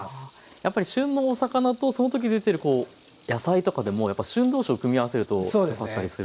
やっぱり旬のお魚とその時出てるこう野菜とかでもやっぱり旬同士を組み合わせるとよかったりする。